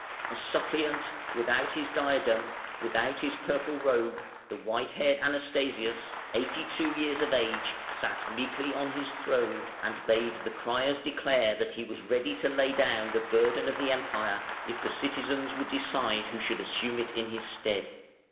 A suppliant, without his diadem, without his purple robe, the white haired Anastasius, eighty two years of age, sat meekly on his throne, and bade the criers declare that he was ready to lay down the burden of the Empire if the citizens would decide who should assume it in his stead.